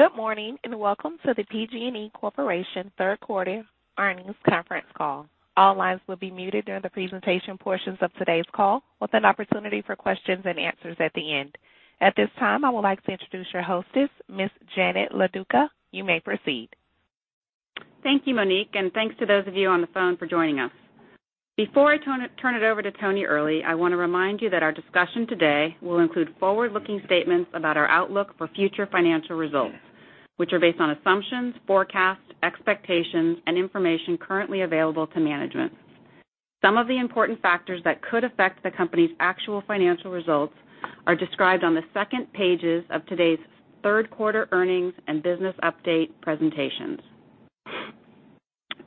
Good morning, welcome to the PG&E Corporation third quarter earnings conference call. All lines will be muted during the presentation portions of today's call, with an opportunity for questions and answers at the end. At this time, I would like to introduce your hostess, Ms. Janet Loduca. You may proceed. Thank you, Monique, thanks to those of you on the phone for joining us. Before I turn it over to Tony Earley, I want to remind you that our discussion today will include forward-looking statements about our outlook for future financial results, which are based on assumptions, forecasts, expectations, and information currently available to management. Some of the important factors that could affect the company's actual financial results are described on the second pages of today's third quarter earnings and business update presentations.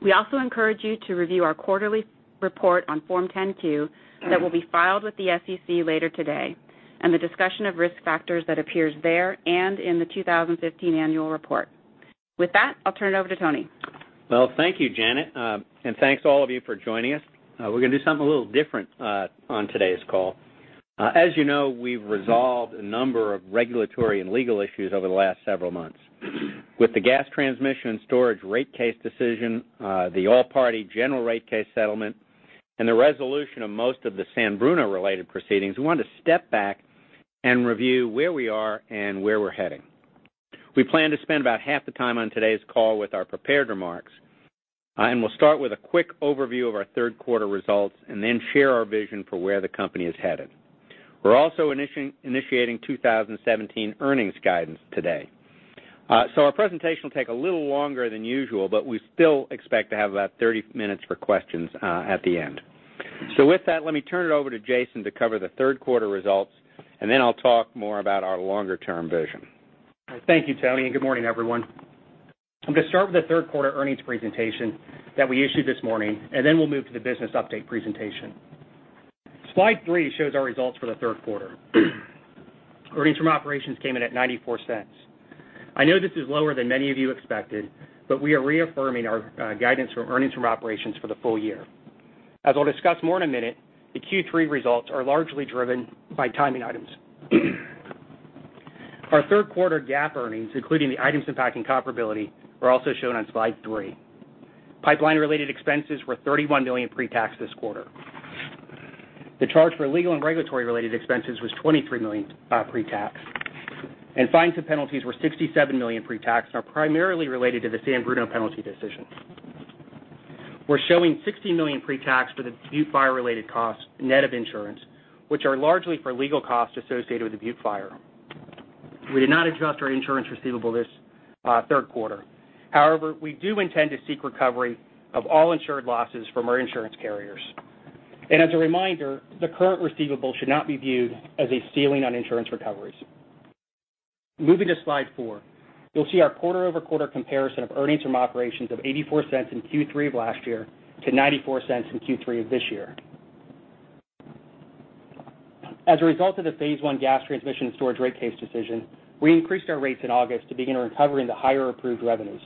We also encourage you to review our quarterly report on Form 10-Q that will be filed with the SEC later today, and the discussion of risk factors that appears there and in the 2015 annual report. With that, I'll turn it over to Tony. Well, thank you, Janet, thanks to all of you for joining us. We're going to do something a little different on today's call. As you know, we've resolved a number of regulatory and legal issues over the last several months. With the gas transmission storage rate case decision, the all-party general rate case settlement, and the resolution of most of the San Bruno-related proceedings, we wanted to step back and review where we are and where we're heading. We plan to spend about half the time on today's call with our prepared remarks, and we'll start with a quick overview of our third quarter results and then share our vision for where the company is headed. We're also initiating 2017 earnings guidance today. Our presentation will take a little longer than usual, but we still expect to have about 30 minutes for questions at the end. With that, let me turn it over to Jason to cover the third quarter results, then I'll talk more about our longer-term vision. Thank you, Tony, and good morning, everyone. I'm going to start with the third quarter earnings presentation that we issued this morning. Then we'll move to the business update presentation. Slide three shows our results for the third quarter. Earnings from operations came in at $0.94. I know this is lower than many of you expected, but we are reaffirming our guidance for earnings from operations for the full year. As I'll discuss more in a minute, the Q3 results are largely driven by timing items. Our third quarter GAAP earnings, including the items impacting comparability, are also shown on slide three. Pipeline-related expenses were $31 million pre-tax this quarter. The charge for legal and regulatory-related expenses was $23 million pre-tax, and fines and penalties were $67 million pre-tax and are primarily related to the San Bruno penalty decision. We're showing $16 million pre-tax for the Butte Fire-related costs net of insurance, which are largely for legal costs associated with the Butte Fire. We did not adjust our insurance receivable this third quarter. However, we do intend to seek recovery of all insured losses from our insurance carriers. As a reminder, the current receivable should not be viewed as a ceiling on insurance recoveries. Moving to slide four, you'll see our quarter-over-quarter comparison of earnings from operations of $0.84 in Q3 of last year to $0.94 in Q3 of this year. As a result of the phase one gas transmission storage rate case decision, we increased our rates in August to begin recovering the higher approved revenues.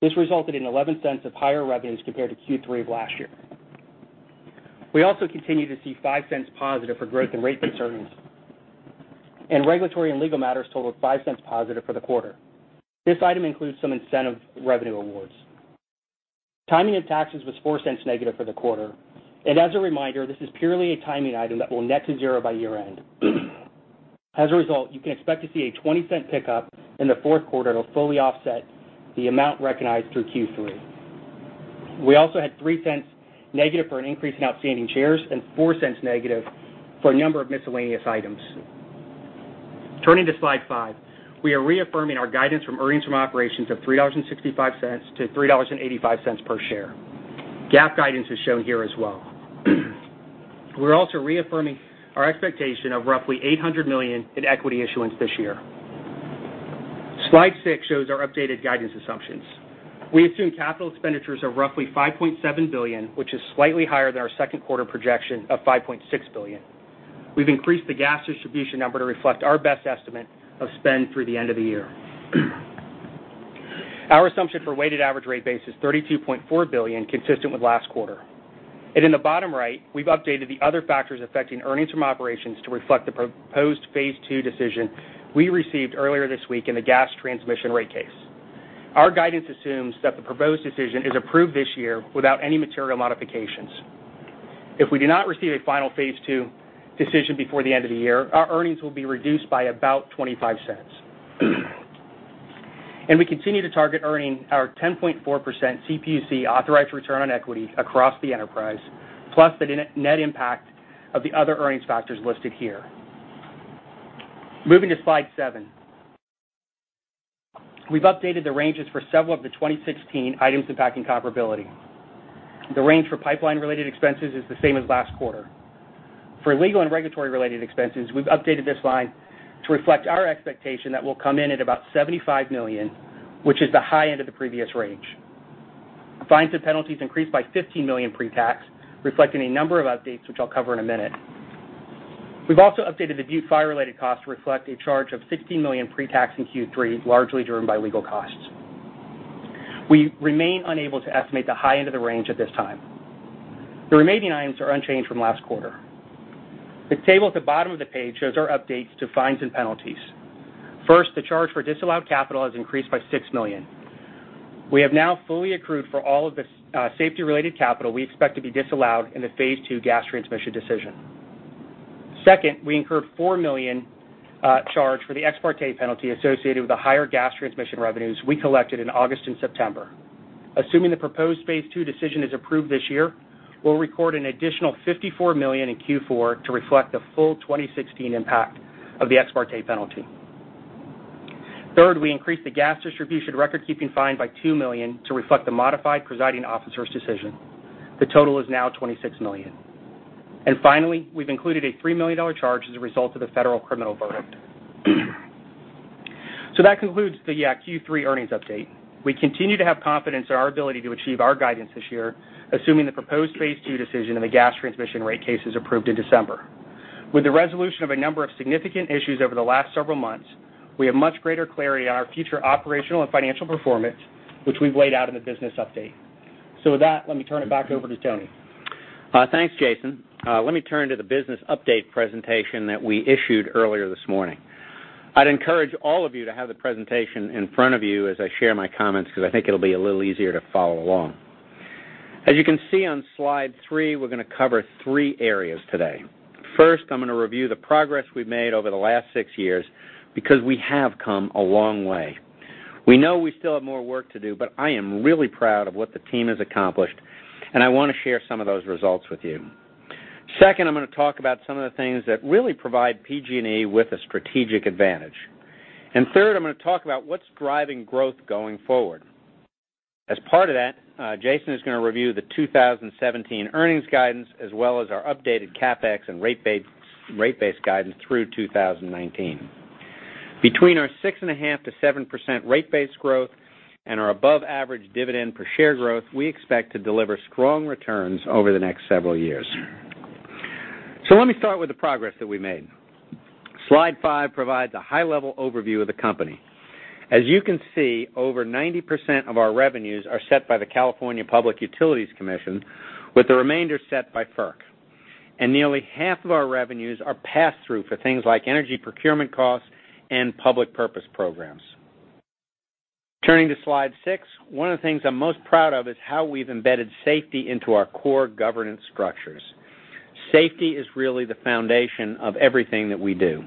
This resulted in $0.11 of higher revenues compared to Q3 of last year. We also continue to see $0.05 positive for growth and rate base earnings. Regulatory and legal matters totaled $0.05 positive for the quarter. This item includes some incentive revenue awards. Timing and taxes was $0.04 negative for the quarter. As a reminder, this is purely a timing item that will net to zero by year-end. As a result, you can expect to see a $0.20 pickup in the fourth quarter. It'll fully offset the amount recognized through Q3. We also had $0.03 negative for an increase in outstanding shares and $0.04 negative for a number of miscellaneous items. Turning to slide five, we are reaffirming our guidance from earnings from operations of $3.65-$3.85 per share. GAAP guidance is shown here as well. We're also reaffirming our expectation of roughly $800 million in equity issuance this year. Slide six shows our updated guidance assumptions. We assume capital expenditures of roughly $5.7 billion, which is slightly higher than our second quarter projection of $5.6 billion. We've increased the gas distribution number to reflect our best estimate of spend through the end of the year. Our assumption for weighted average rate base is $32.4 billion, consistent with last quarter. In the bottom right, we've updated the other factors affecting earnings from operations to reflect the proposed phase two decision we received earlier this week in the gas transmission rate case. Our guidance assumes that the proposed decision is approved this year without any material modifications. If we do not receive a final phase two decision before the end of the year, our earnings will be reduced by about $0.25. We continue to target earning our 10.4% CPUC authorized return on equity across the enterprise, plus the net impact of the other earnings factors listed here. Moving to slide seven. We've updated the ranges for several of the 2016 items impacting comparability. The range for pipeline-related expenses is the same as last quarter. For legal and regulatory-related expenses, we've updated this line to reflect our expectation that we'll come in at about $75 million, which is the high end of the previous range. Fines and penalties increased by $15 million pre-tax, reflecting a number of updates, which I'll cover in a minute. We've also updated the Butte Fire-related cost to reflect a charge of $16 million pre-tax in Q3, largely driven by legal costs. We remain unable to estimate the high end of the range at this time. The remaining items are unchanged from last quarter. The table at the bottom of the page shows our updates to fines and penalties. First, the charge for disallowed capital has increased by $6 million. We have now fully accrued for all of the safety-related capital we expect to be disallowed in the phase two gas transmission decision. Second, we incurred $4 million charge for the ex parte penalty associated with the higher gas transmission revenues we collected in August and September. Assuming the proposed phase two decision is approved this year, we'll record an additional $54 million in Q4 to reflect the full 2016 impact of the ex parte penalty. Third, we increased the gas distribution recordkeeping fine by $2 million to reflect the modified presiding officer's decision. The total is now $26 million. Finally, we've included a $3 million charge as a result of the federal criminal verdict. That concludes the Q3 earnings update. We continue to have confidence in our ability to achieve our guidance this year, assuming the proposed phase two decision in the gas transmission rate case is approved in December. With the resolution of a number of significant issues over the last several months, we have much greater clarity on our future operational and financial performance, which we've laid out in the business update. With that, let me turn it back over to Tony. Thanks, Jason. Let me turn to the business update presentation that we issued earlier this morning. I'd encourage all of you to have the presentation in front of you as I share my comments because I think it'll be a little easier to follow along. As you can see on slide three, we're going to cover three areas today. First, I'm going to review the progress we've made over the last six years because we have come a long way. We know we still have more work to do, but I am really proud of what the team has accomplished, and I want to share some of those results with you. Second, I'm going to talk about some of the things that really provide PG&E with a strategic advantage. Third, I'm going to talk about what's driving growth going forward. Part of that, Jason is going to review the 2017 earnings guidance as well as our updated CapEx and rate base guidance through 2019. Between our six and a half to 7% rate base growth and our above-average dividend per share growth, we expect to deliver strong returns over the next several years. Let me start with the progress that we made. Slide five provides a high-level overview of the company. As you can see, over 90% of our revenues are set by the California Public Utilities Commission, with the remainder set by FERC. Nearly half of our revenues are pass-through for things like energy procurement costs and public purpose programs. Turning to slide six, one of the things I'm most proud of is how we've embedded safety into our core governance structures. Safety is really the foundation of everything that we do.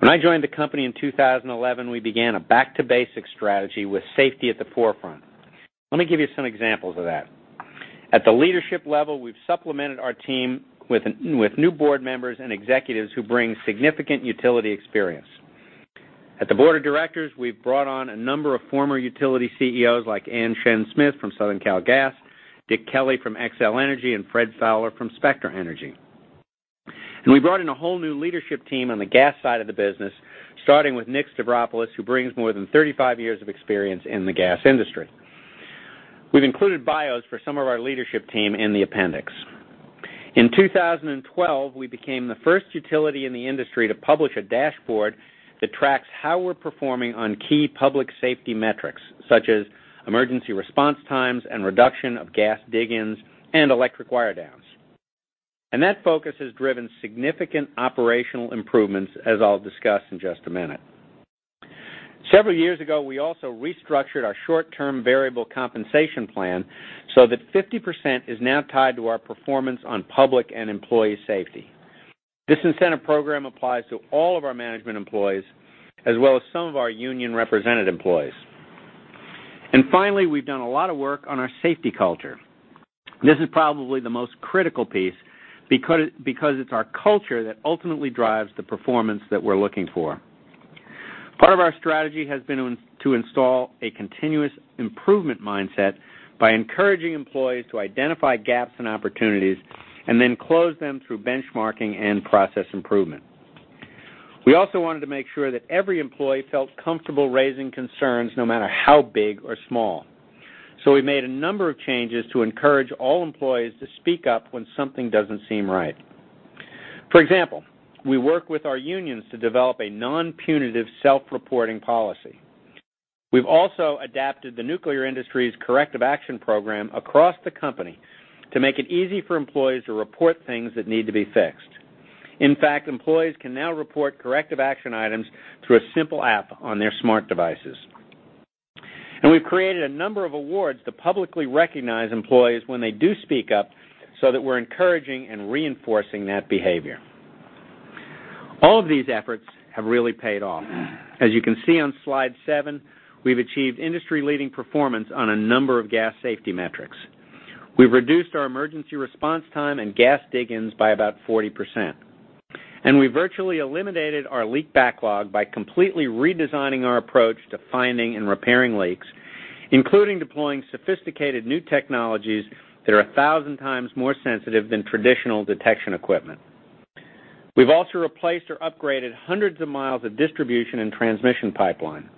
When I joined the company in 2011, we began a back-to-basics strategy with safety at the forefront. Let me give you some examples of that. At the leadership level, we've supplemented our team with new board members and executives who bring significant utility experience. At the board of directors, we've brought on a number of former utility CEOs like Anne Shen Smith from Southern Cal Gas, Dick Kelly from Xcel Energy, and Fred Fowler from Spectra Energy. We brought in a whole new leadership team on the gas side of the business, starting with Nick Stavropoulos, who brings more than 35 years of experience in the gas industry. We've included bios for some of our leadership team in the appendix. In 2012, we became the first utility in the industry to publish a dashboard that tracks how we're performing on key public safety metrics, such as emergency response times and reduction of gas dig-ins and electric wire downs. That focus has driven significant operational improvements, as I'll discuss in just a minute. Several years ago, we also restructured our short-term variable compensation plan so that 50% is now tied to our performance on public and employee safety. This incentive program applies to all of our management employees, as well as some of our union-represented employees. Finally, we've done a lot of work on our safety culture. This is probably the most critical piece because it's our culture that ultimately drives the performance that we're looking for. Part of our strategy has been to install a continuous improvement mindset by encouraging employees to identify gaps and opportunities and then close them through benchmarking and process improvement. We also wanted to make sure that every employee felt comfortable raising concerns, no matter how big or small. We made a number of changes to encourage all employees to speak up when something doesn't seem right. For example, we work with our unions to develop a non-punitive self-reporting policy. We've also adapted the nuclear industry's corrective action program across the company to make it easy for employees to report things that need to be fixed. In fact, employees can now report corrective action items through a simple app on their smart devices. We've created a number of awards to publicly recognize employees when they do speak up so that we're encouraging and reinforcing that behavior. All of these efforts have really paid off. As you can see on slide seven, we've achieved industry-leading performance on a number of gas safety metrics. We've reduced our emergency response time and gas dig-ins by about 40%, and we virtually eliminated our leak backlog by completely redesigning our approach to finding and repairing leaks, including deploying sophisticated new technologies that are 1,000 times more sensitive than traditional detection equipment. We've also replaced or upgraded hundreds of miles of distribution and transmission pipeline.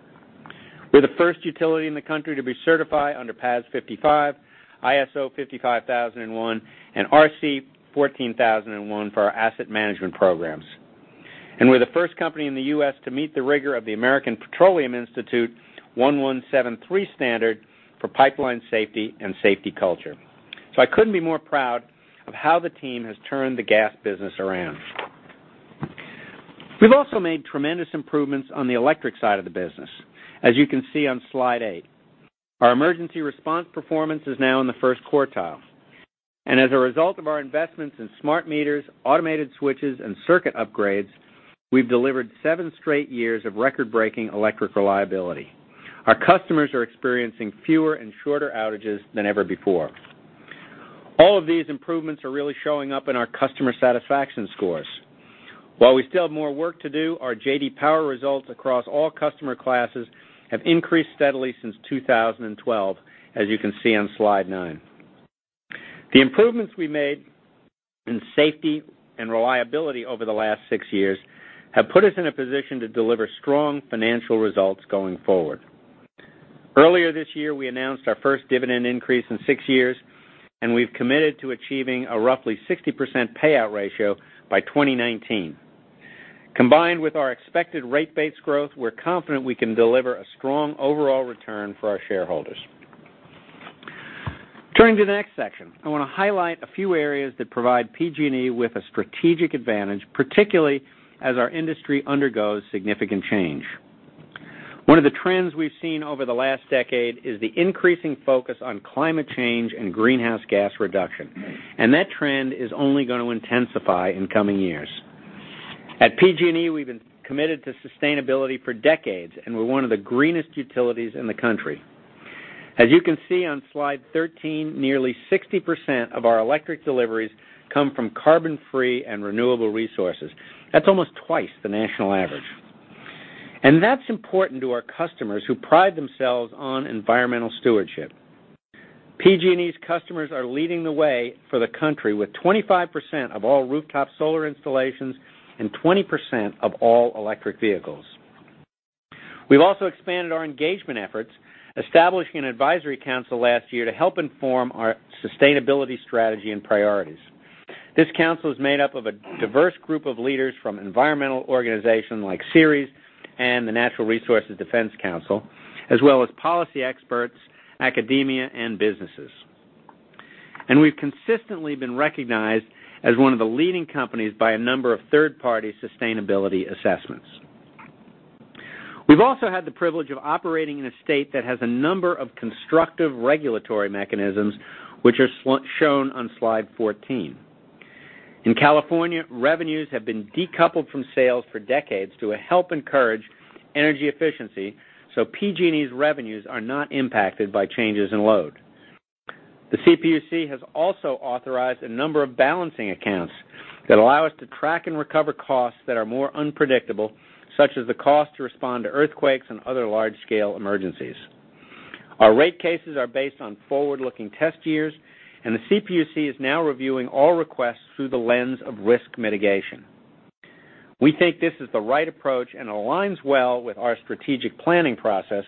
We're the first utility in the country to be certified under PAS 55, ISO 55001, and RC 14001 for our asset management programs. We're the first company in the U.S. to meet the rigor of the American Petroleum Institute 1173 standard for pipeline safety and safety culture. I couldn't be more proud of how the team has turned the gas business around. We've also made tremendous improvements on the electric side of the business, as you can see on slide eight. Our emergency response performance is now in the first quartile. As a result of our investments in smart meters, automated switches, and circuit upgrades, we've delivered seven straight years of record-breaking electric reliability. Our customers are experiencing fewer and shorter outages than ever before. All of these improvements are really showing up in our customer satisfaction scores. While we still have more work to do, our J.D. Power results across all customer classes have increased steadily since 2012, as you can see on slide nine. The improvements we made in safety and reliability over the last six years have put us in a position to deliver strong financial results going forward. Earlier this year, we announced our first dividend increase in six years, we've committed to achieving a roughly 60% payout ratio by 2019. Combined with our expected rate base growth, we're confident we can deliver a strong overall return for our shareholders. Turning to the next section, I want to highlight a few areas that provide PG&E with a strategic advantage, particularly as our industry undergoes significant change. One of the trends we've seen over the last decade is the increasing focus on climate change and greenhouse gas reduction, that trend is only going to intensify in coming years. At PG&E, we've been committed to sustainability for decades, we're one of the greenest utilities in the country. As you can see on slide 13, nearly 60% of our electric deliveries come from carbon-free and renewable resources. That's almost twice the national average. That's important to our customers who pride themselves on environmental stewardship. PG&E's customers are leading the way for the country with 25% of all rooftop solar installations and 20% of all electric vehicles. We've also expanded our engagement efforts, establishing an advisory council last year to help inform our sustainability strategy and priorities. This council is made up of a diverse group of leaders from environmental organizations like Ceres and the Natural Resources Defense Council, as well as policy experts, academia, and businesses. We've consistently been recognized as one of the leading companies by a number of third-party sustainability assessments. We've also had the privilege of operating in a state that has a number of constructive regulatory mechanisms, which are shown on slide 14. In California, revenues have been decoupled from sales for decades to help encourage energy efficiency. PG&E's revenues are not impacted by changes in load. The CPUC has also authorized a number of balancing accounts that allow us to track and recover costs that are more unpredictable, such as the cost to respond to earthquakes and other large-scale emergencies. Our rate cases are based on forward-looking test years. The CPUC is now reviewing all requests through the lens of risk mitigation. We think this is the right approach and aligns well with our strategic planning process,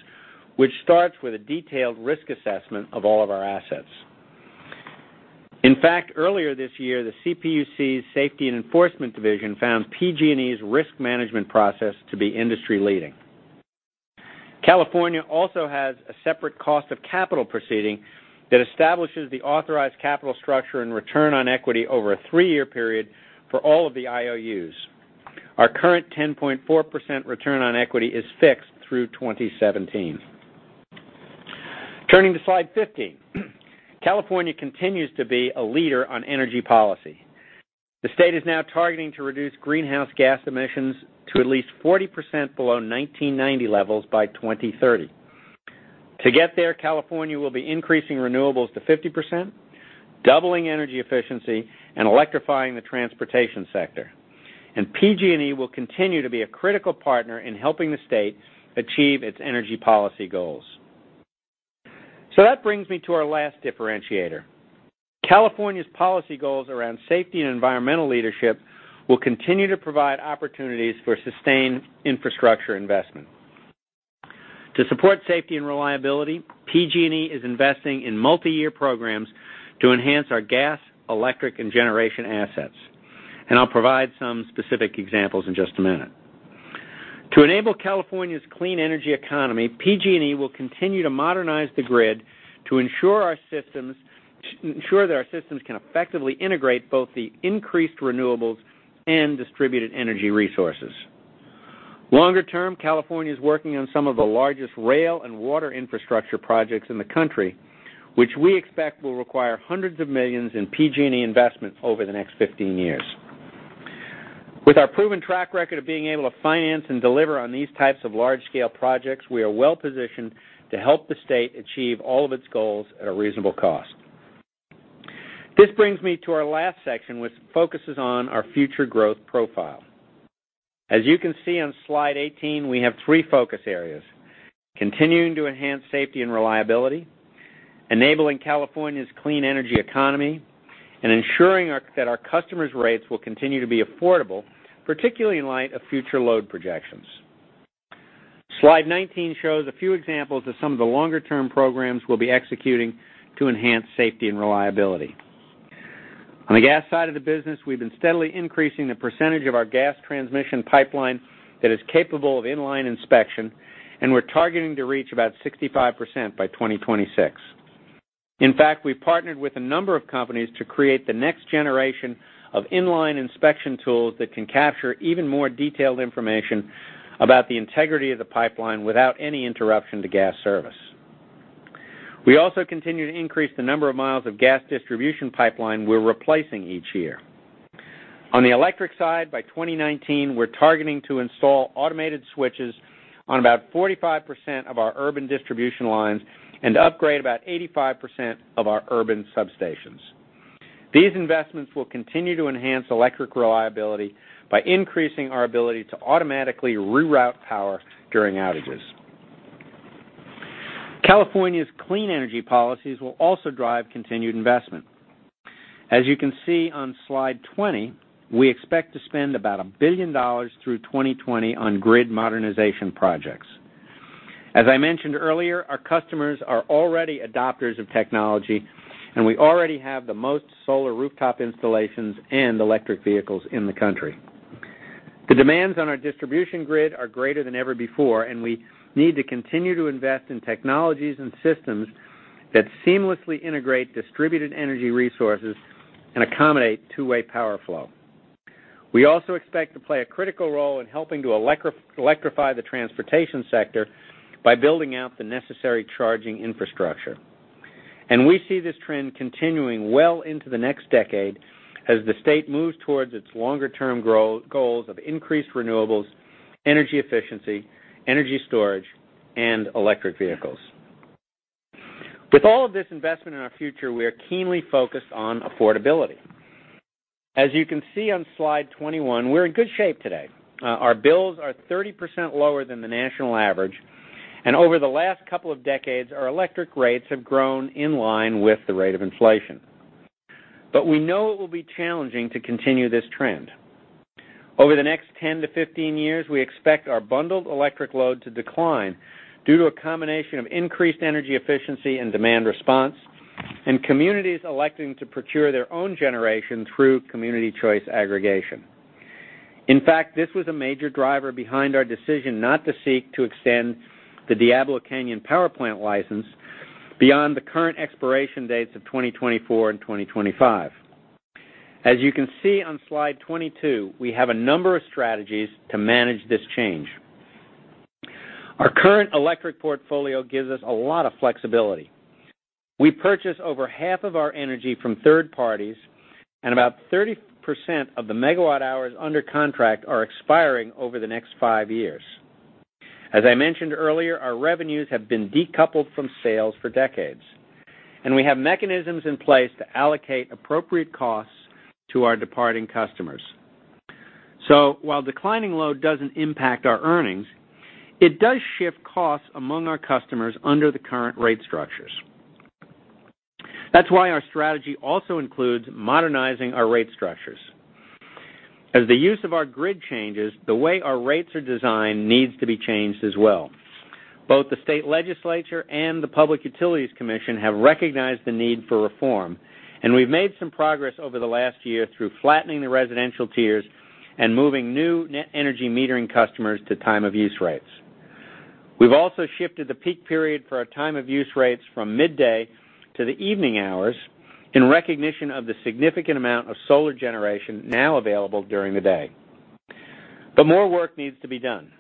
which starts with a detailed risk assessment of all of our assets. In fact, earlier this year, the CPUC's Safety and Enforcement Division found PG&E's risk management process to be industry-leading. California also has a separate cost of capital proceeding that establishes the authorized capital structure and return on equity over a three-year period for all of the IOUs. Our current 10.4% return on equity is fixed through 2017. Turning to slide 15, California continues to be a leader on energy policy. The state is now targeting to reduce greenhouse gas emissions to at least 40% below 1990 levels by 2030. To get there, California will be increasing renewables to 50%, doubling energy efficiency, and electrifying the transportation sector. PG&E will continue to be a critical partner in helping the state achieve its energy policy goals. That brings me to our last differentiator. California's policy goals around safety and environmental leadership will continue to provide opportunities for sustained infrastructure investment. To support safety and reliability, PG&E is investing in multi-year programs to enhance our gas, electric, and generation assets. I'll provide some specific examples in just a minute. To enable California's clean energy economy, PG&E will continue to modernize the grid to ensure that our systems can effectively integrate both the increased renewables and distributed energy resources. Longer term, California is working on some of the largest rail and water infrastructure projects in the country, which we expect will require $hundreds of millions in PG&E investments over the next 15 years. With our proven track record of being able to finance and deliver on these types of large-scale projects, we are well-positioned to help the state achieve all of its goals at a reasonable cost. This brings me to our last section, which focuses on our future growth profile. As you can see on slide 18, we have three focus areas, continuing to enhance safety and reliability, enabling California's clean energy economy, and ensuring that our customers' rates will continue to be affordable, particularly in light of future load projections. Slide 19 shows a few examples of some of the longer-term programs we'll be executing to enhance safety and reliability. On the gas side of the business, we've been steadily increasing the percentage of our gas transmission pipeline that is capable of in-line inspection, and we're targeting to reach about 65% by 2026. In fact, we've partnered with a number of companies to create the next generation of in-line inspection tools that can capture even more detailed information about the integrity of the pipeline without any interruption to gas service. We also continue to increase the number of miles of gas distribution pipeline we're replacing each year. On the electric side, by 2019, we're targeting to install automated switches on about 45% of our urban distribution lines and upgrade about 85% of our urban substations. These investments will continue to enhance electric reliability by increasing our ability to automatically reroute power during outages. California's clean energy policies will also drive continued investment. As you can see on slide 20, we expect to spend about $1 billion through 2020 on grid modernization projects. As I mentioned earlier, our customers are already adopters of technology, and we already have the most solar rooftop installations and electric vehicles in the country. The demands on our distribution grid are greater than ever before, and we need to continue to invest in technologies and systems that seamlessly integrate Distributed Energy Resources and accommodate two-way power flow. We also expect to play a critical role in helping to electrify the transportation sector by building out the necessary charging infrastructure. We see this trend continuing well into the next decade as the state moves towards its longer-term goals of increased renewables, energy efficiency, energy storage, and electric vehicles. With all of this investment in our future, we are keenly focused on affordability. As you can see on slide 21, we're in good shape today. Our bills are 30% lower than the national average, and over the last couple of decades, our electric rates have grown in line with the rate of inflation. We know it will be challenging to continue this trend. Over the next 10 to 15 years, we expect our bundled electric load to decline due to a combination of increased energy efficiency and demand response and communities electing to procure their own generation through Community Choice Aggregation. In fact, this was a major driver behind our decision not to seek to extend the Diablo Canyon Power Plant license beyond the current expiration dates of 2024 and 2025. As you can see on slide 22, we have a number of strategies to manage this change. Our current electric portfolio gives us a lot of flexibility. We purchase over half of our energy from third parties, and about 30% of the megawatt hours under contract are expiring over the next five years. As I mentioned earlier, our revenues have been decoupled from sales for decades, and we have mechanisms in place to allocate appropriate costs to our departing customers. While declining load doesn't impact our earnings, it does shift costs among our customers under the current rate structures. That's why our strategy also includes modernizing our rate structures. As the use of our grid changes, the way our rates are designed needs to be changed as well. Both the state legislature and the Public Utilities Commission have recognized the need for reform, we've made some progress over the last year through flattening the residential tiers and moving new net energy metering customers to time of use rates. We've also shifted the peak period for our time of use rates from midday to the evening hours in recognition of the significant amount of solar generation now available during the day. More work needs to be done.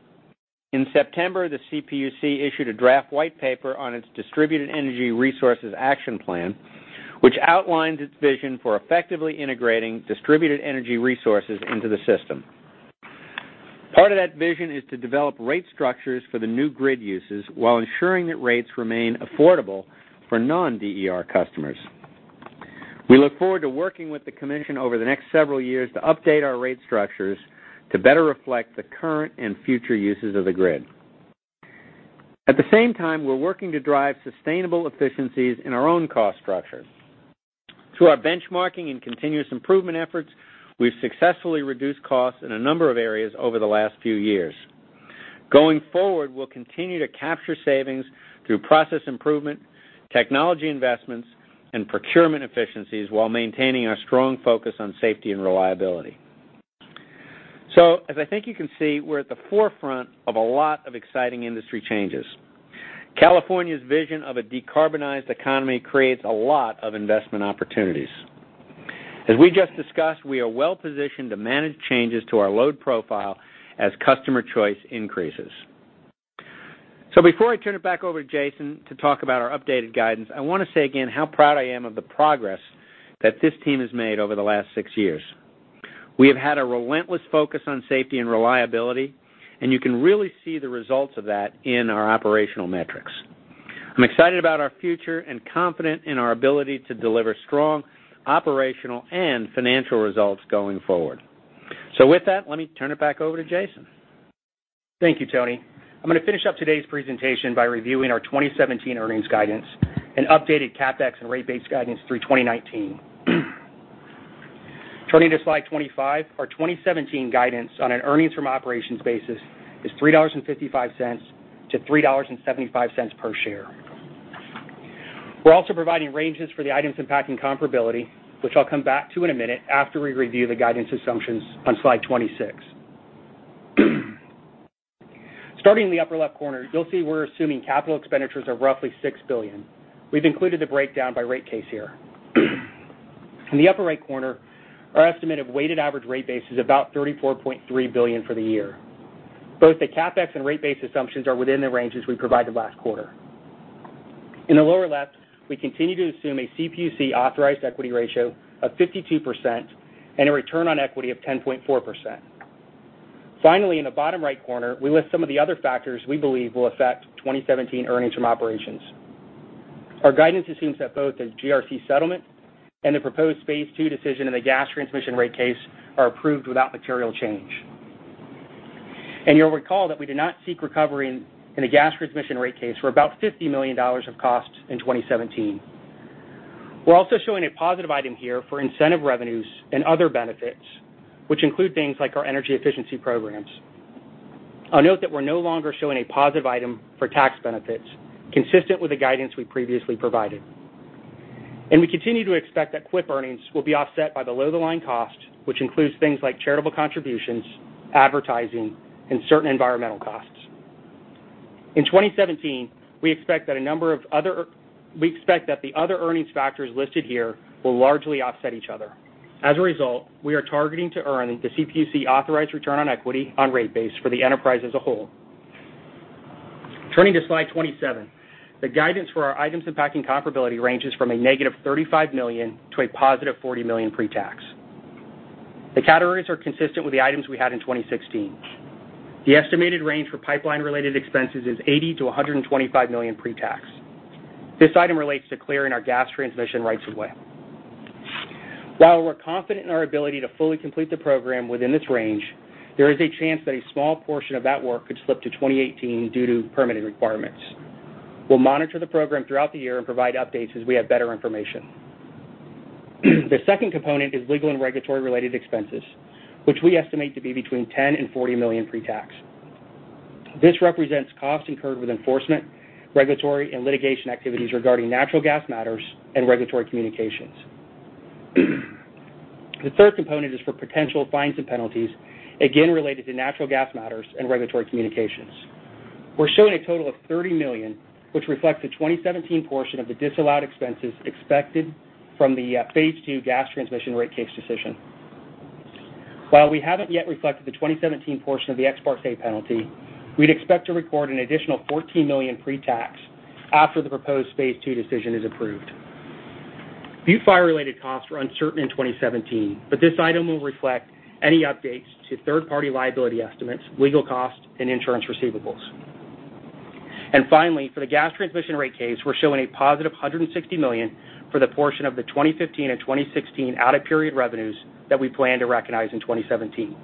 In September, the CPUC issued a draft white paper on its Distributed Energy Resources Action Plan, which outlines its vision for effectively integrating distributed energy resources into the system. Part of that vision is to develop rate structures for the new grid uses while ensuring that rates remain affordable for non-DER customers. We look forward to working with the commission over the next several years to update our rate structures to better reflect the current and future uses of the grid. At the same time, we're working to drive sustainable efficiencies in our own cost structure. Through our benchmarking and continuous improvement efforts, we've successfully reduced costs in a number of areas over the last few years. Going forward, we'll continue to capture savings through process improvement, technology investments, and procurement efficiencies while maintaining our strong focus on safety and reliability. As I think you can see, we're at the forefront of a lot of exciting industry changes. California's vision of a decarbonized economy creates a lot of investment opportunities. As we just discussed, we are well-positioned to manage changes to our load profile as customer choice increases. Before I turn it back over to Jason to talk about our updated guidance, I want to say again how proud I am of the progress that this team has made over the last six years. We have had a relentless focus on safety and reliability, and you can really see the results of that in our operational metrics. I'm excited about our future and confident in our ability to deliver strong operational and financial results going forward. With that, let me turn it back over to Jason. Thank you, Tony. I'm going to finish up today's presentation by reviewing our 2017 earnings guidance and updated CapEx and rate base guidance through 2019. Turning to slide 25, our 2017 guidance on an earnings from operations basis is $3.55 to $3.75 per share. We're also providing ranges for the items impacting comparability, which I'll come back to in a minute after we review the guidance assumptions on Slide 26. Starting in the upper left corner, you'll see we're assuming capital expenditures are roughly $6 billion. We've included the breakdown by rate case here. In the upper right corner, our estimate of weighted average rate base is about $34.3 billion for the year. Both the CapEx and rate base assumptions are within the ranges we provided last quarter. In the lower left, we continue to assume a CPUC-authorized equity ratio of 52% and a return on equity of 10.4%. Finally, in the bottom right corner, we list some of the other factors we believe will affect 2017 earnings from operations. Our guidance assumes that both the GRC settlement and the proposed phase two decision in the gas transmission rate case are approved without material change. You'll recall that we did not seek recovery in the gas transmission rate case for about $50 million of costs in 2017. We're also showing a positive item here for incentive revenues and other benefits, which include things like our energy efficiency programs. I'll note that we're no longer showing a positive item for tax benefits, consistent with the guidance we previously provided. We continue to expect that CWIP earnings will be offset by the below-the-line cost, which includes things like charitable contributions, advertising, and certain environmental costs. In 2017, we expect that the other earnings factors listed here will largely offset each other. As a result, we are targeting to earn the CPUC-authorized return on equity on rate base for the enterprise as a whole. Turning to slide 27, the guidance for our items impacting comparability ranges from a negative $35 million to a positive $40 million pre-tax. The categories are consistent with the items we had in 2016. The estimated range for pipeline-related expenses is $80 million-$125 million pre-tax. This item relates to clearing our gas transmission rights of way. While we're confident in our ability to fully complete the program within this range, there is a chance that a small portion of that work could slip to 2018 due to permitting requirements. We'll monitor the program throughout the year and provide updates as we have better information. The second component is legal and regulatory-related expenses, which we estimate to be between $10 million and $40 million pre-tax. This represents costs incurred with enforcement, regulatory, and litigation activities regarding natural gas matters and regulatory communications. The third component is for potential fines and penalties, again related to natural gas matters and regulatory communications. We're showing a total of $30 million, which reflects the 2017 portion of the disallowed expenses expected from the phase II gas transmission rate case decision. While we haven't yet reflected the 2017 portion of the ex parte penalty, we'd expect to record an additional $14 million pre-tax after the proposed phase II decision is approved. Butte Fire-related costs were uncertain in 2017, but this item will reflect any updates to third-party liability estimates, legal costs, and insurance receivables. Finally, for the gas transmission rate case, we're showing a positive $160 million for the portion of the 2015 and 2016 out-of-period revenues that we plan to recognize in 2017.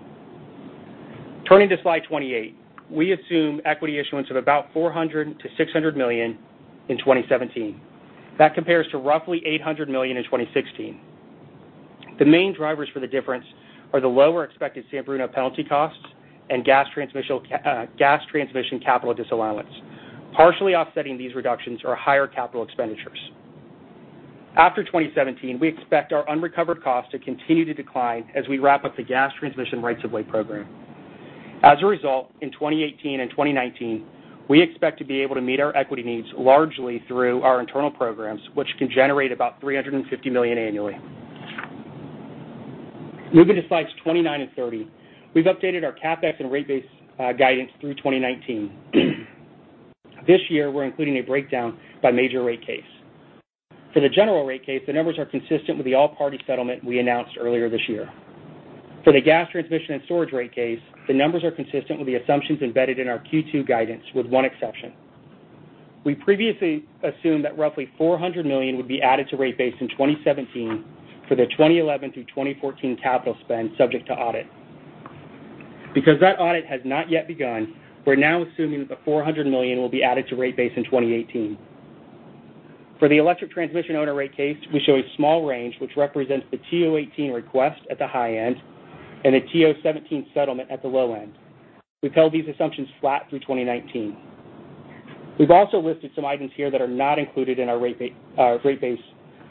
Turning to slide 28, we assume equity issuance of about $400 million-$600 million in 2017. That compares to roughly $800 million in 2016. The main drivers for the difference are the lower expected San Bruno penalty costs and gas transmission capital disallowance. Partially offsetting these reductions are higher capital expenditures. After 2017, we expect our unrecovered costs to continue to decline as we wrap up the gas transmission rights-of-way program. As a result, in 2018 and 2019, we expect to be able to meet our equity needs largely through our internal programs, which can generate about $350 million annually. Moving to slides 29 and 30, we've updated our CapEx and rate base guidance through 2019. This year, we're including a breakdown by major rate case. For the general rate case, the numbers are consistent with the all-party settlement we announced earlier this year. For the gas transmission and storage rate case, the numbers are consistent with the assumptions embedded in our Q2 guidance, with one exception. We previously assumed that roughly $400 million would be added to rate base in 2017 for the 2011 through 2014 capital spend subject to audit. Because that audit has not yet begun, we're now assuming that the $400 million will be added to rate base in 2018. For the electric transmission owner rate case, we show a small range, which represents the TO18 request at the high end and the TO17 settlement at the low end. We've held these assumptions flat through 2019. We've also listed some items here that are not included in our rate base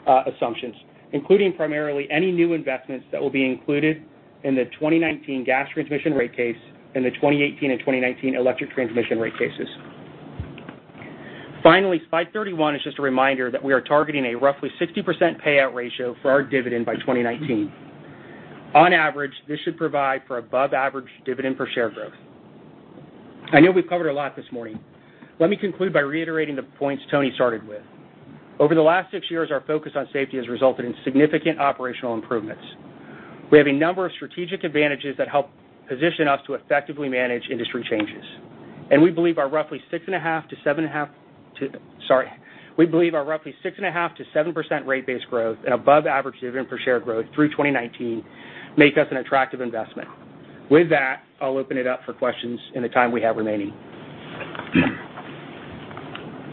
assumptions, including primarily any new investments that will be included in the 2019 gas transmission rate case and the 2018 and 2019 electric transmission rate cases. Finally, slide 31 is just a reminder that we are targeting a roughly 60% payout ratio for our dividend by 2019. On average, this should provide for above-average dividend per share growth. I know we've covered a lot this morning. Let me conclude by reiterating the points Tony started with. Over the last six years, our focus on safety has resulted in significant operational improvements. We have a number of strategic advantages that help position us to effectively manage industry changes, and we believe our roughly six and a half to 7% rate base growth and above-average dividend per share growth through 2019 make us an attractive investment. With that, I'll open it up for questions in the time we have remaining.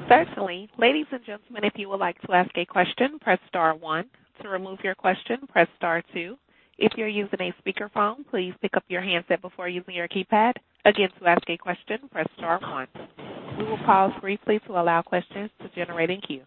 Certainly. Ladies and gentlemen, if you would like to ask a question, press star one. To remove your question, press star two. If you're using a speakerphone, please pick up your handset before using your keypad. Again, to ask a question, press star one. We will pause briefly to allow questions to generate in queue.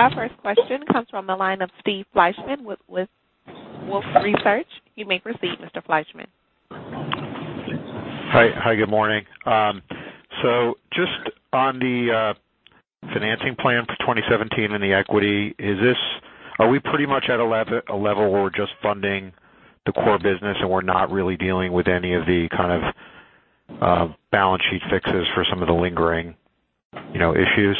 Our first question comes from the line of Steve Fleishman with Wolfe Research. You may proceed, Mr. Fleishman. Just on the financing plan for 2017 and the equity, are we pretty much at a level where we're just funding the core business, and we're not really dealing with any of the balance sheet fixes for some of the lingering issues?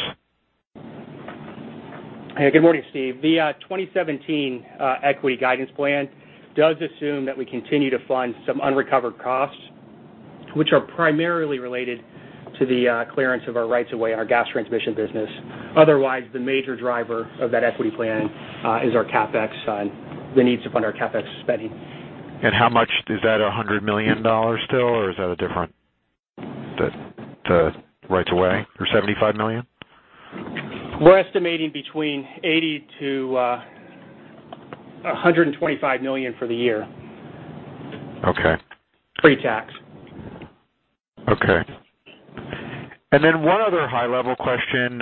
Good morning, Steve. The 2017 equity guidance plan does assume that we continue to fund some unrecovered costs, which are primarily related to the clearance of our rights-of-way in our gas transmission business. Otherwise, the major driver of that equity plan is our CapEx and the need to fund our CapEx spending. How much is that, $100 million still? Or is that a different to rights-of-way or $75 million? We're estimating between $80 million-$125 million for the year. Okay. Pre-tax. Okay. One other high-level question.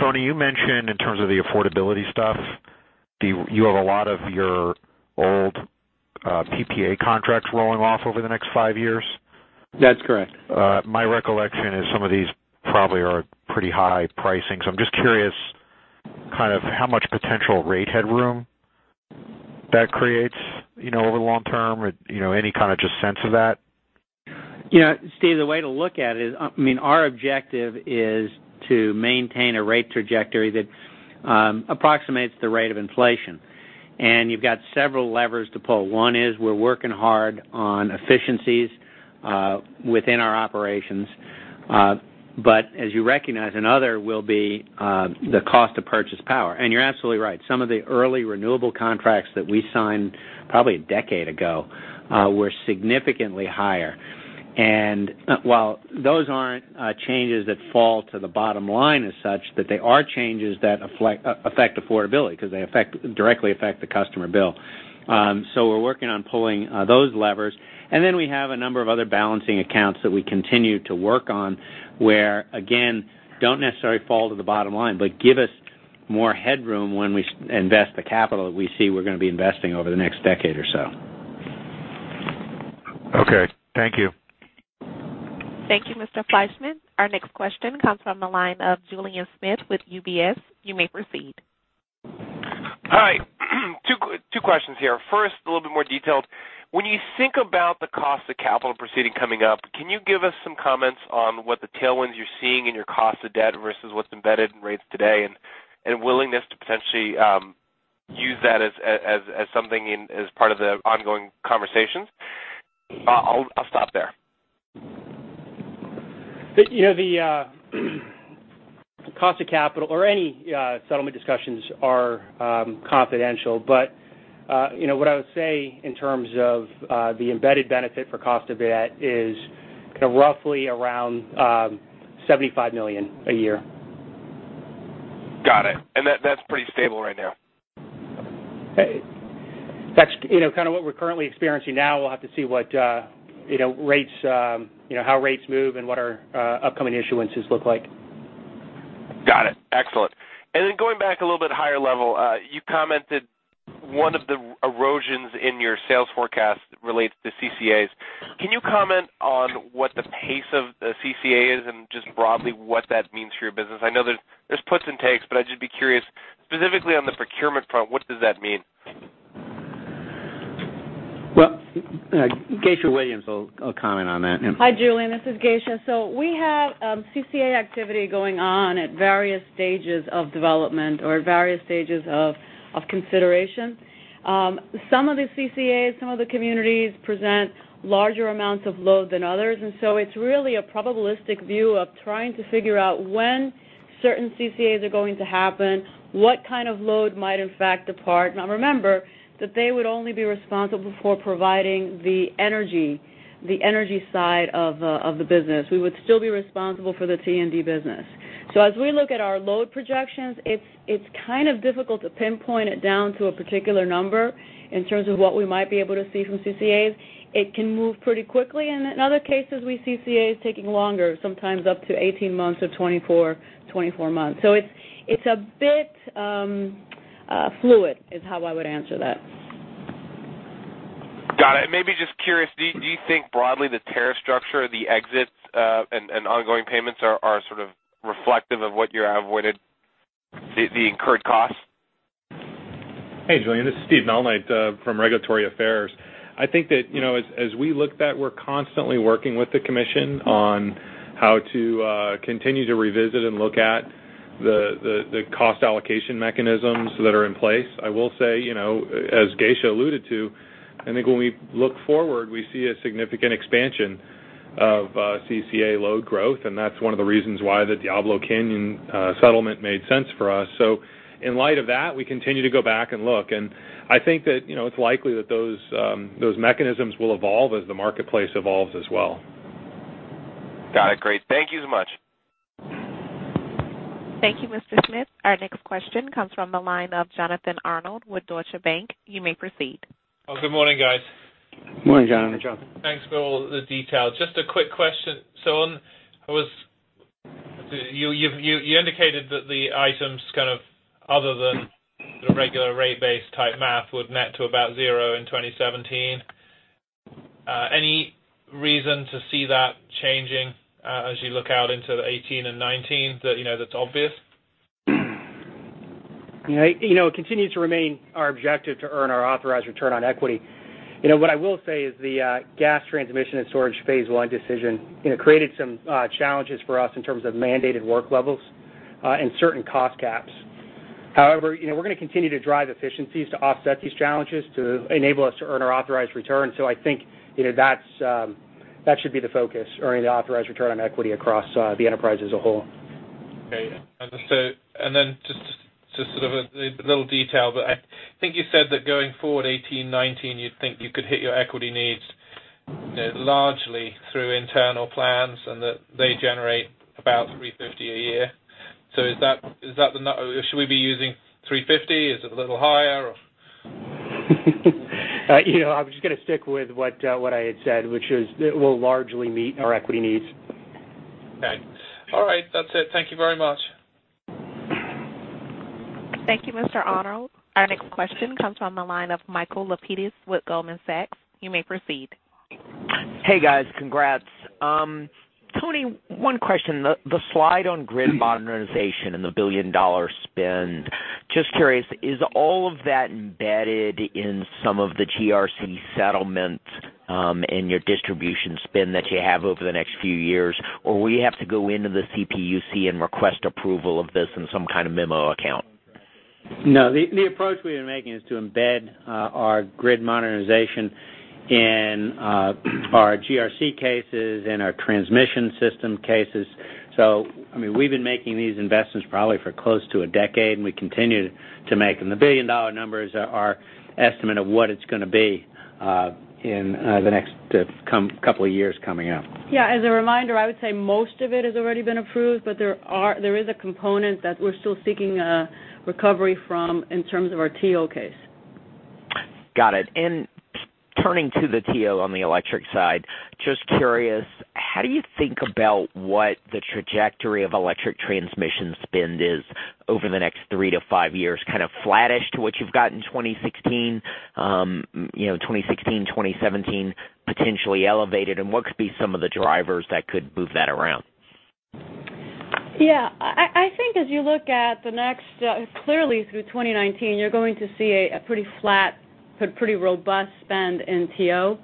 Tony, you mentioned in terms of the affordability stuff, you have a lot of your old PPA contracts rolling off over the next five years. That's correct. My recollection is some of these probably are pretty high pricing. I'm just curious how much potential rate headroom that creates over the long term, any kind of just sense of that? Steve, the way to look at it is, our objective is to maintain a rate trajectory that approximates the rate of inflation. You've got several levers to pull. One is we're working hard on efficiencies within our operations. As you recognize, another will be the cost of purchased power. You're absolutely right. Some of the early renewable contracts that we signed probably a decade ago were significantly higher. While those aren't changes that fall to the bottom line as such, but they are changes that affect affordability because they directly affect the customer bill. We're working on pulling those levers. We have a number of other balancing accounts that we continue to work on, where, again, don't necessarily fall to the bottom line, but give us more headroom when we invest the capital that we see we're going to be investing over the next decade or so. Okay. Thank you. Thank you, Mr. Fleishman. Our next question comes from the line of Julien Dumoulin-Smith with UBS. You may proceed. Hi. two questions here. First, a little bit more detailed. When you think about the cost of capital proceeding coming up, can you give us some comments on what the tailwinds you're seeing in your cost of debt versus what's embedded in rates today and willingness to potentially use that as part of the ongoing conversations? I'll stop there. The cost of capital or any settlement discussions are confidential. What I would say in terms of the embedded benefit for cost of debt is roughly around $75 million a year. Got it. That's pretty stable right now? That's what we're currently experiencing now. We'll have to see how rates move and what our upcoming issuances look like. Got it. Excellent. Then going back a little bit higher level, you commented one of the erosions in your sales forecast relates to CCAs. Can you comment on what the pace of the CCA is and just broadly what that means for your business? I know there's puts and takes, but I'd just be curious, specifically on the procurement front, what does that mean? Well, Geisha Williams will comment on that. Hi, Julien, this is Geisha. We have CCA activity going on at various stages of development or at various stages of consideration. Some of the CCAs, some of the communities present larger amounts of load than others, it's really a probabilistic view of trying to figure out when certain CCAs are going to happen, what kind of load might in fact depart. Now remember that they would only be responsible for providing the energy side of the business. We would still be responsible for the T&D business. As we look at our load projections, it's kind of difficult to pinpoint it down to a particular number in terms of what we might be able to see from CCAs. It can move pretty quickly. In other cases, we see CCAs taking longer, sometimes up to 18 months or 24 months. It's a bit fluid is how I would answer that. Got it. Maybe just curious, do you think broadly the tariff structure, the exits, and ongoing payments are sort of reflective of what you avoided the incurred cost? Hey, Julien, this is Steve Malnight from Regulatory Affairs. I think that as we look that we're constantly working with the commission on how to continue to revisit and look at the cost allocation mechanisms that are in place. I will say, as Geisha alluded to, I think when we look forward, we see a significant expansion of CCA load growth, that's one of the reasons why the Diablo Canyon settlement made sense for us. In light of that, we continue to go back and look. I think that it's likely that those mechanisms will evolve as the marketplace evolves as well. Got it. Great. Thank you so much. Thank you, Mr. Smith. Our next question comes from the line of Jonathan Arnold with Deutsche Bank. You may proceed. Oh, good morning, guys. Morning, Jonathan. Morning, Jonathan. Thanks for all the detail. Just a quick question. You indicated that the items kind of other than the regular rate base type math would net to about zero in 2017. Any reason to see that changing as you look out into the 2018 and 2019 that's obvious? It continues to remain our objective to earn our authorized return on equity. What I will say is the gas transmission and storage phase one decision created some challenges for us in terms of mandated work levels and certain cost caps. We're going to continue to drive efficiencies to offset these challenges to enable us to earn our authorized return. I think that should be the focus, earning the authorized return on equity across the enterprise as a whole. Okay. Then just sort of a little detail, but I think you said that going forward 2018, 2019, you think you could hit your equity needs largely through internal plans and that they generate about $350 a year. Should we be using $350? Is it a little higher, or? I'm just going to stick with what I had said, which is it will largely meet our equity needs. Okay. All right, that's it. Thank you very much. Thank you, Mr. Arnold. Our next question comes from the line of Michael Lapides with Goldman Sachs. You may proceed. Hey, guys. Congrats. Tony, one question. The slide on grid modernization and the billion-dollar spend, just curious, is all of that embedded in some of the GRC settlements in your distribution spend that you have over the next few years? Or will you have to go into the CPUC and request approval of this in some kind of memo account? No, the approach we've been making is to embed our grid modernization in our GRC cases, in our transmission system cases. We've been making these investments probably for close to 10 years, and we continue to make them. The $1 billion number is our estimate of what it's going to be in the next couple of years coming up. Yeah, as a reminder, I would say most of it has already been approved, but there is a component that we're still seeking recovery from in terms of our TO case. Got it. Turning to the TO on the electric side, just curious, how do you think about what the trajectory of electric transmission spend is over the next 3-5 years, kind of flattish to what you've got in 2016, 2017 potentially elevated? What could be some of the drivers that could move that around? Yeah. I think as you look at the next, clearly through 2019, you're going to see a pretty flat but pretty robust spend in TO.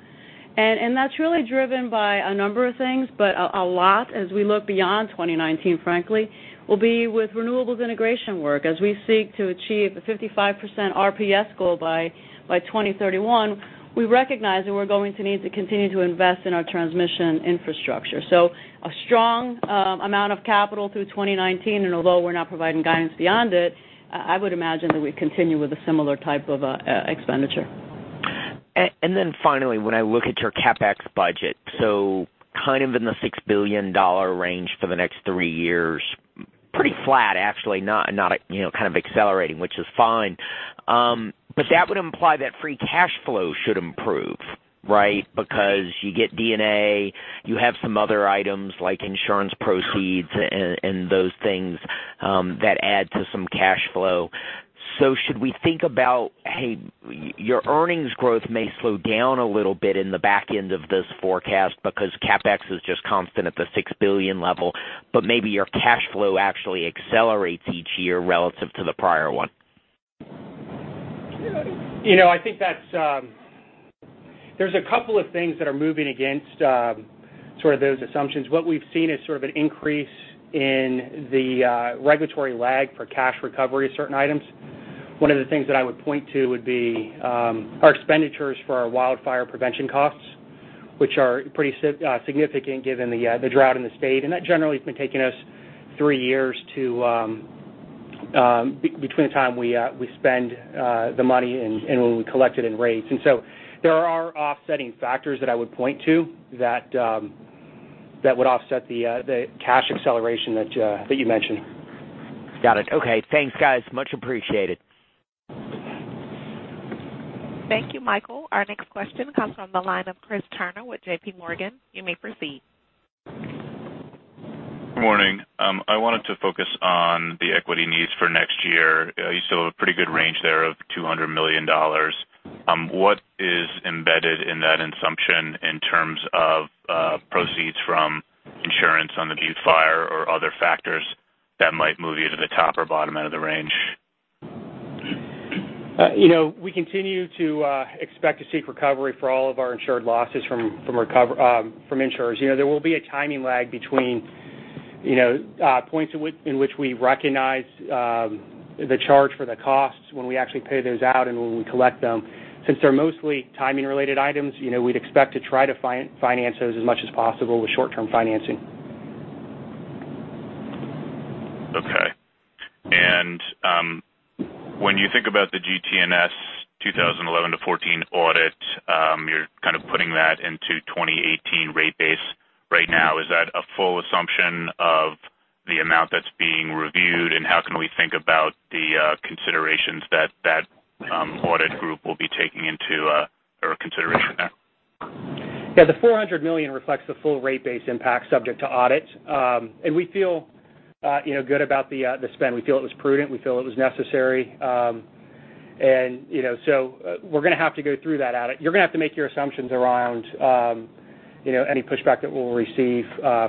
That's really driven by a number of things, but a lot as we look beyond 2019, frankly, will be with renewables integration work. As we seek to achieve the 55% RPS goal by 2031, we recognize that we're going to need to continue to invest in our transmission infrastructure. A strong amount of capital through 2019, and although we're not providing guidance beyond it, I would imagine that we'd continue with a similar type of expenditure. Finally, when I look at your CapEx budget, so kind of in the $6 billion range for the next three years, pretty flat, actually, not kind of accelerating, which is fine. That would imply that free cash flow should improve, right? Because you get D&A, you have some other items like insurance proceeds and those things that add to some cash flow. Should we think about, hey, your earnings growth may slow down a little bit in the back end of this forecast because CapEx is just constant at the $6 billion level, but maybe your cash flow actually accelerates each year relative to the prior one? There's a couple of things that are moving against sort of those assumptions. What we've seen is sort of an increase in the regulatory lag for cash recovery of certain items. One of the things that I would point to would be our expenditures for our wildfire prevention costs, which are pretty significant given the drought in the state. That generally has been taking us three years between the time we spend the money and when we collect it in rates. There are offsetting factors that I would point to that would offset the cash acceleration that you mentioned. Got it. Okay. Thanks, guys. Much appreciated. Thank you, Michael. Our next question comes from the line of Chris Turnure with J.P. Morgan. You may proceed. Good morning. I wanted to focus on the equity needs for next year. You still have a pretty good range there of $200 million. What is embedded in that assumption in terms of proceeds from insurance on the Butte Fire or other factors that might move you to the top or bottom end of the range? We continue to expect to seek recovery for all of our insured losses from insurers. There will be a timing lag between points in which we recognize the charge for the costs, when we actually pay those out, and when we collect them. Since they're mostly timing-related items, we'd expect to try to finance those as much as possible with short-term financing. Okay. When you think about the GTNS 2011-2014 audit, you're kind of putting that into 2018 rate base right now. Is that a full assumption of the amount that's being reviewed, how can we think about the considerations that that audit group will be taking into consideration there? Yeah. The $400 million reflects the full rate base impact subject to audit. We feel good about the spend. We feel it was prudent. We feel it was necessary. We're going to have to go through that audit. You're going to have to make your assumptions around any pushback that we'll receive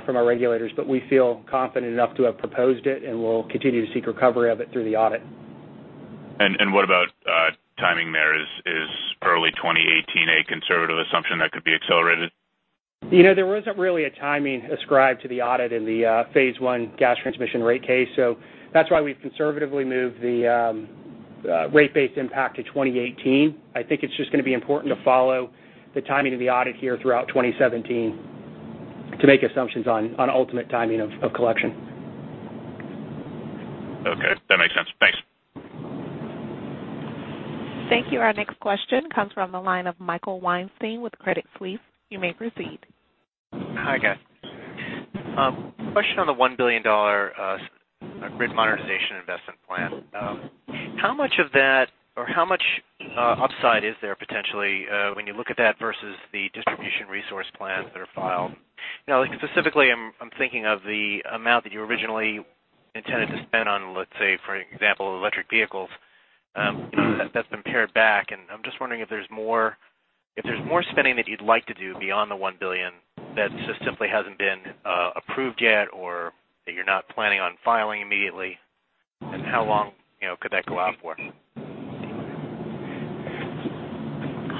from our regulators. We feel confident enough to have proposed it, we'll continue to seek recovery of it through the audit. What about timing there? Is early 2018 a conservative assumption that could be accelerated? There wasn't really a timing ascribed to the audit in the phase 1 gas transmission rate case. That's why we've conservatively moved the rate base impact to 2018. I think it's just going to be important to follow the timing of the audit here throughout 2017 to make assumptions on ultimate timing of collection. Okay. That makes sense. Thanks. Thank you. Our next question comes from the line of Michael Weinstein with Credit Suisse. You may proceed. Hi, guys. Question on the $1 billion Grid Modernization Investment Plan. How much of that, or how much upside is there potentially when you look at that versus the distribution resource plans that are filed? Specifically, I'm thinking of the amount that you originally intended to spend on, let's say, for example, electric vehicles. That's been pared back, and I'm just wondering if there's more spending that you'd like to do beyond the $1 billion that just simply hasn't been approved yet, or that you're not planning on filing immediately. How long could that go out for?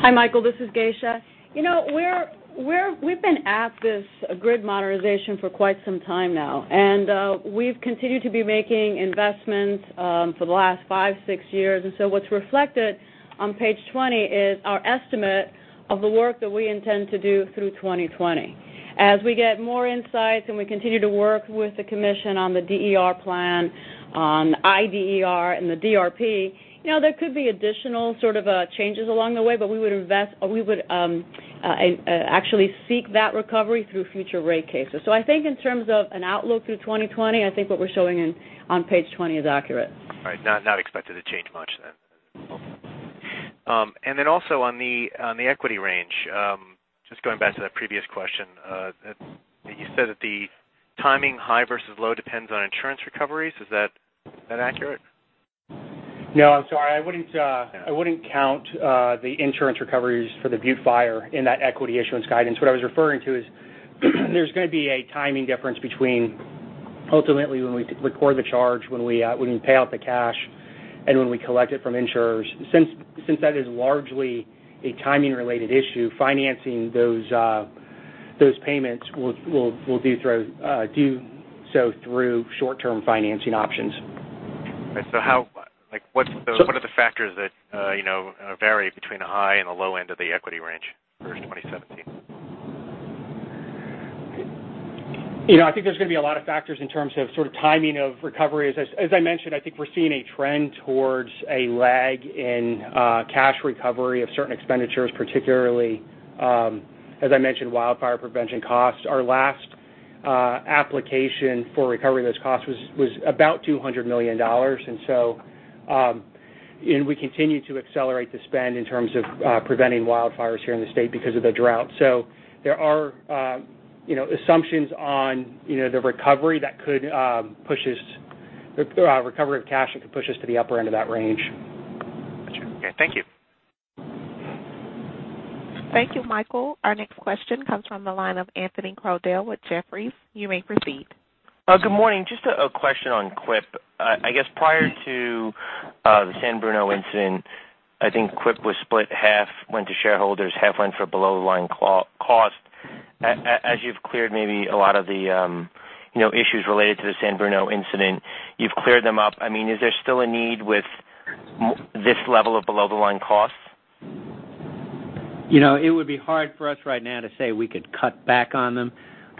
Hi, Michael, this is Geisha. We've been at this grid modernization for quite some time now, and we've continued to be making investments for the last five, six years. What's reflected on page 20 is our estimate of the work that we intend to do through 2020. As we get more insights and we continue to work with the Commission on the DER Plan, on IDER and the DRP, there could be additional sort of changes along the way, but we would actually seek that recovery through future rate cases. I think in terms of an outlook through 2020, I think what we're showing on page 20 is accurate. All right, not expected to change much then. Also on the equity range, just going back to that previous question, you said that the timing high versus low depends on insurance recoveries. Is that accurate? No, I'm sorry. I wouldn't count the insurance recoveries for the Butte Fire in that equity issuance guidance. What I was referring to is there's going to be a timing difference between ultimately when we record the charge, when we pay out the cash, and when we collect it from insurers. Since that is largely a timing-related issue, financing those payments, we'll do so through short-term financing options. Okay. What are the factors that vary between the high and the low end of the equity range for 2017? I think there's going to be a lot of factors in terms of sort of timing of recovery. As I mentioned, I think we're seeing a trend towards a lag in cash recovery of certain expenditures, particularly, as I mentioned, wildfire prevention costs. Our last application for recovering those costs was about $200 million. We continue to accelerate the spend in terms of preventing wildfires here in the state because of the drought. There are assumptions on the recovery of cash that could push us to the upper end of that range. Got you. Okay. Thank you. Thank you, Michael. Our next question comes from the line of Anthony Crowdell with Jefferies. You may proceed. Good morning. Just a question on CWIP. I guess prior to the San Bruno incident, I think CWIP was split, half went to shareholders, half went for below-the-line cost. As you've cleared maybe a lot of the issues related to the San Bruno incident, you've cleared them up. Is there still a need with this level of below-the-line costs? It would be hard for us right now to say we could cut back on them.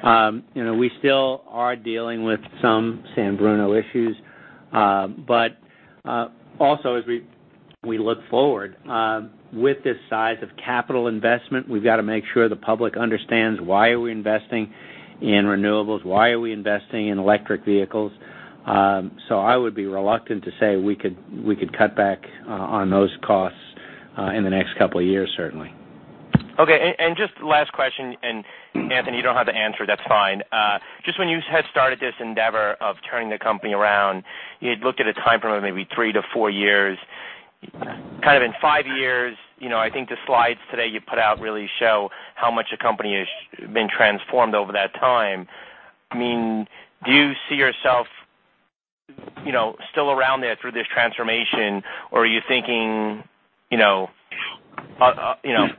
We still are dealing with some San Bruno issues. Also as we look forward, with this size of capital investment, we've got to make sure the public understands why are we investing in renewables, why are we investing in electric vehicles. I would be reluctant to say we could cut back on those costs in the next couple of years, certainly. Okay. Just last question, and Anthony, you don't have the answer, that's fine. Just when you had started this endeavor of turning the company around, you had looked at a time frame of maybe three to four years. Kind of in five years, I think the slides today you put out really show how much the company has been transformed over that time. I mean, do you see yourself still around there through this transformation, or are you thinking other things?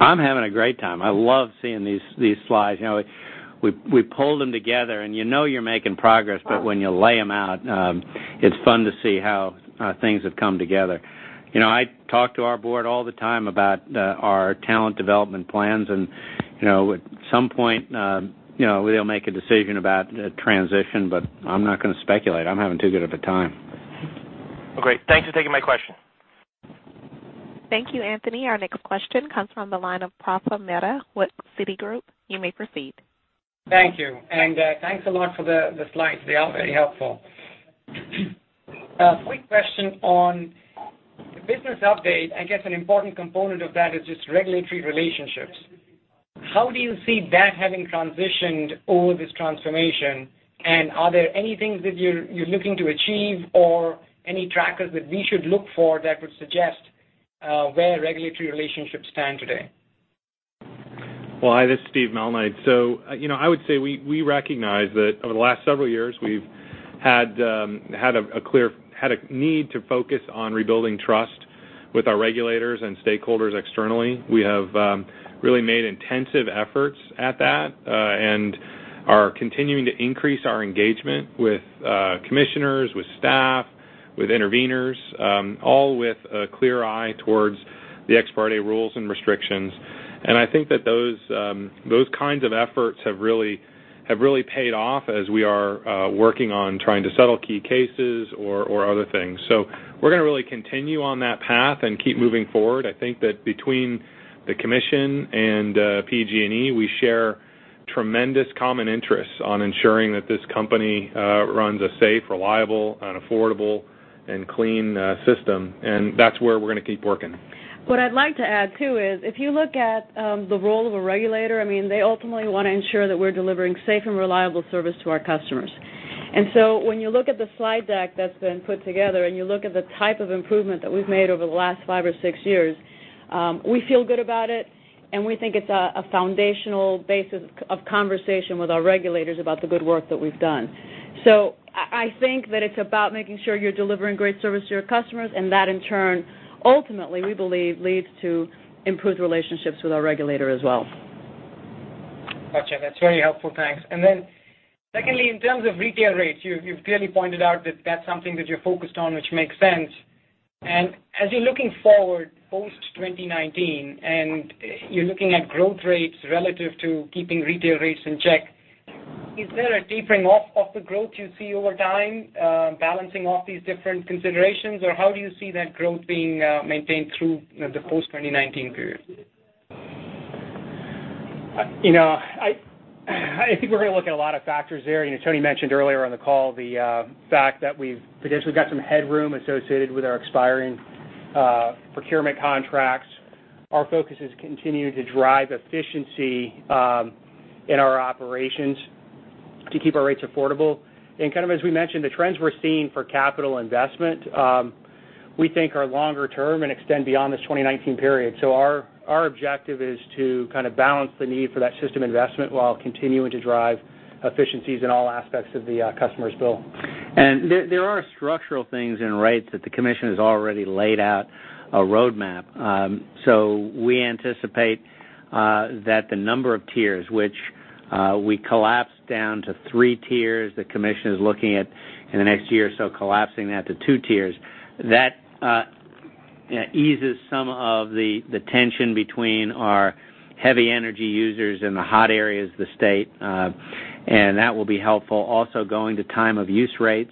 I'm having a great time. I love seeing these slides. We pulled them together, and you know you're making progress, but when you lay them out, it's fun to see how things have come together. I talk to our board all the time about our talent development plans, and at some point they'll make a decision about transition, but I'm not going to speculate. I'm having too good of a time. Great. Thanks for taking my question. Thank you, Anthony. Our next question comes from the line of Praful Mehta with Citigroup. You may proceed. Thank you, and thanks a lot for the slides. They are very helpful. A quick question on the business update. I guess an important component of that is just regulatory relationships. How do you see that having transitioned over this transformation? Are there any things that you're looking to achieve or any trackers that we should look for that would suggest where regulatory relationships stand today? Well, hi, this is Steve Malnight. I would say we recognize that over the last several years, we've had a need to focus on rebuilding trust with our regulators and stakeholders externally. We have really made intensive efforts at that and are continuing to increase our engagement with commissioners, with staff, with interveners, all with a clear eye towards the ex parte rules and restrictions. I think that those kinds of efforts have really paid off as we are working on trying to settle key cases or other things. We're going to really continue on that path and keep moving forward. I think that between the commission and PG&E, we share tremendous common interests on ensuring that this company runs a safe, reliable, and affordable and clean system, and that's where we're going to keep working. What I'd like to add, too, is if you look at the role of a regulator, I mean, they ultimately want to ensure that we're delivering safe and reliable service to our customers. When you look at the slide deck that's been put together and you look at the type of improvement that we've made over the last five or six years, we feel good about it, and we think it's a foundational basis of conversation with our regulators about the good work that we've done. I think that it's about making sure you're delivering great service to your customers, and that in turn, ultimately, we believe, leads to improved relationships with our regulator as well. Gotcha. That's very helpful. Thanks. Secondly, in terms of retail rates, you've clearly pointed out that that's something that you're focused on, which makes sense. As you're looking forward post 2019, and you're looking at growth rates relative to keeping retail rates in check, is there a tapering off of the growth you see over time, balancing off these different considerations? How do you see that growth being maintained through the post-2019 period? I think we're going to look at a lot of factors there. Tony mentioned earlier on the call the fact that we've potentially got some headroom associated with our expiring procurement contracts. Our focus is continuing to drive efficiency in our operations to keep our rates affordable. As we mentioned, the trends we're seeing for capital investment, we think are longer term and extend beyond this 2019 period. Our objective is to balance the need for that system investment while continuing to drive efficiencies in all aspects of the customer's bill. There are structural things in rates that the commission has already laid out a roadmap. We anticipate that the number of tiers, which we collapsed down to 3 tiers, the commission is looking at in the next year or so collapsing that to 2 tiers. That eases some of the tension between our heavy energy users in the hot areas of the state, and that will be helpful. Also going to time of use rates,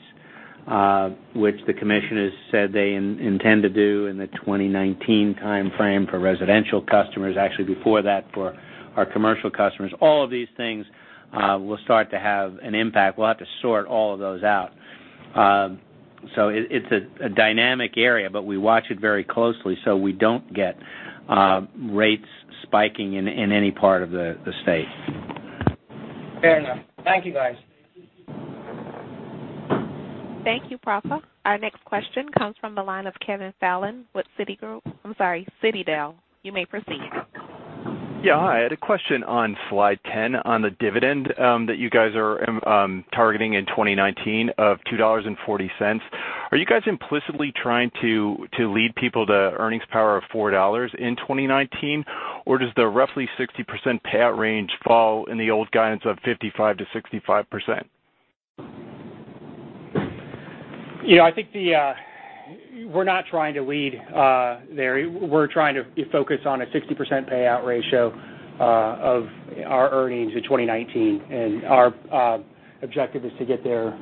which the commission has said they intend to do in the 2019 timeframe for residential customers, actually before that for our commercial customers. All of these things will start to have an impact. We'll have to sort all of those out. It's a dynamic area, but we watch it very closely, so we don't get rates spiking in any part of the state. Fair enough. Thank you, guys. Thank you, Praful. Our next question comes from the line of Kevin Fallon with Citigroup. I'm sorry, Citadel. You may proceed. Yeah. Hi. I had a question on slide 10 on the dividend that you guys are targeting in 2019 of $2.40. Are you guys implicitly trying to lead people to earnings power of $4 in 2019? Or does the roughly 60% payout range fall in the old guidance of 55%-65%? I think we're not trying to lead there. We're trying to focus on a 60% payout ratio of our earnings in 2019, and our objective is to get there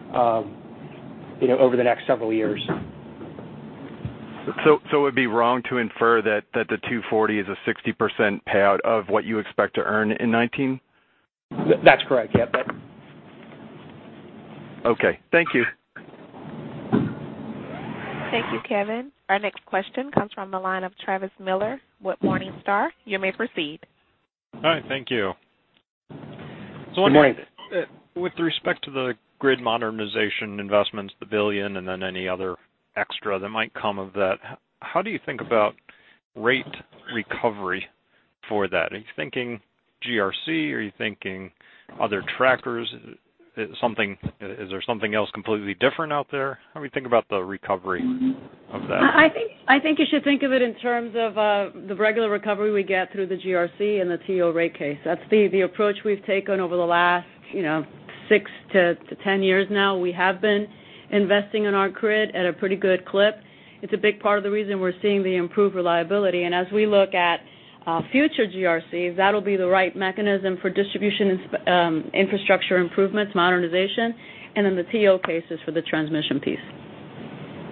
over the next several years. It'd be wrong to infer that the $2.40 is a 60% payout of what you expect to earn in 2019? That's correct. Yeah. Okay. Thank you. Thank you, Kevin. Our next question comes from the line of Travis Miller with Morningstar. You may proceed. Hi, thank you. Good morning. I'm wondering, with respect to the grid modernization investments, the $1 billion, and then any other extra that might come of that, how do you think about rate recovery for that? Are you thinking GRC? Are you thinking other trackers? Is there something else completely different out there? How do we think about the recovery of that? I think you should think of it in terms of the regular recovery we get through the GRC and the TO rate case. That's the approach we've taken over the last 6 to 10 years now. We have been investing in our grid at a pretty good clip. It's a big part of the reason we're seeing the improved reliability. As we look at future GRCs, that'll be the right mechanism for distribution infrastructure improvements, modernization, and then the TO cases for the transmission piece.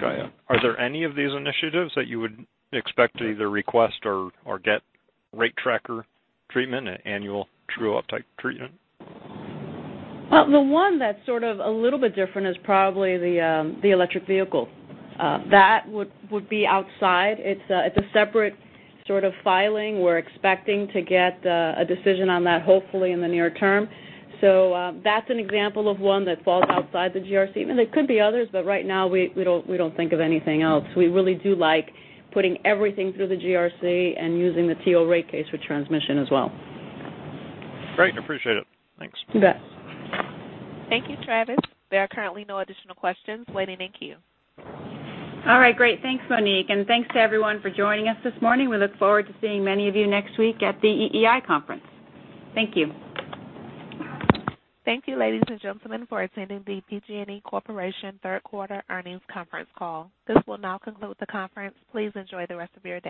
Got you. Are there any of these initiatives that you would expect to either request or get rate tracker treatment, an annual true-up type treatment? Well, the one that's sort of a little bit different is probably the electric vehicle. That would be outside. It's a separate sort of filing. We're expecting to get a decision on that hopefully in the near term. That's an example of one that falls outside the GRC. There could be others. Right now we don't think of anything else. We really do like putting everything through the GRC and using the TO rate case for transmission as well. Great. Appreciate it. Thanks. You bet. Thank you, Travis. There are currently no additional questions. Ladies, thank you. All right. Great. Thanks, Monique, and thanks to everyone for joining us this morning. We look forward to seeing many of you next week at the EEI conference. Thank you. Thank you, ladies and gentlemen, for attending the PG&E Corporation third quarter earnings conference call. This will now conclude the conference. Please enjoy the rest of your day.